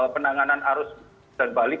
penanganan arus dan balik